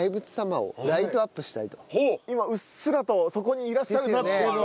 今うっすらとそこにいらっしゃる。